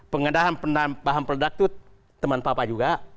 pengadaan bahan peledak itu teman papa juga